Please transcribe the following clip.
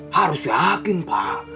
harus yakin pak